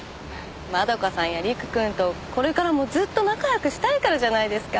円香さんや陸くんとこれからもずっと仲良くしたいからじゃないですか。